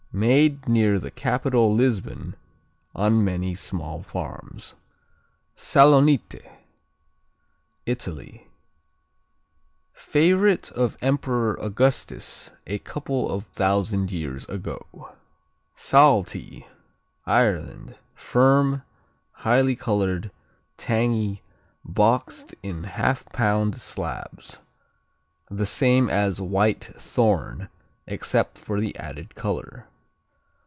Made near the capital, Lisbon, on many small farms. Salonite Italy Favorite of Emperor Augustus a couple of thousand years ago. Saltee Ireland Firm; highly colored; tangy; boxed in half pound slabs. The same as Whitethorn except for the added color.